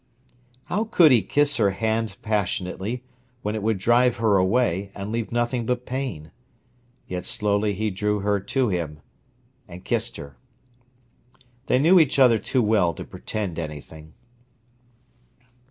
How could he kiss her hand passionately, when it would drive her away, and leave nothing but pain? Yet slowly he drew her to him and kissed her. They knew each other too well to pretend anything.